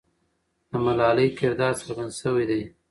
د ملالۍ کردار څرګند سوی دی.